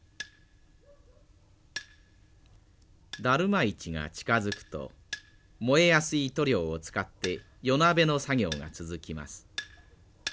だるま市が近づくと燃えやすい塗料を使って夜なべの作業が続きます。